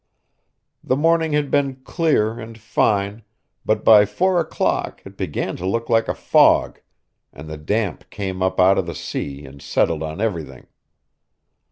The morning had been clear and fine, but by four o'clock it began to look like a fog, and the damp came up out of the sea and settled on everything.